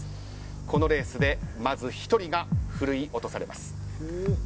このレースで、まず１人がふるい落とされます。